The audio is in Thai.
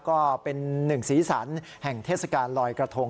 ก็เป็น๑ศีสรรศ์แห่งเทศการรอยกระทง